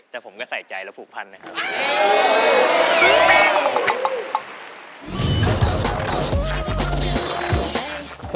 แต่ผมก็ใส่ใจแล้วผูกพันนะครับ